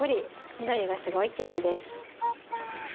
緑がすごいきれいです。